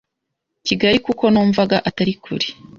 kigali kuko numvaga atari kure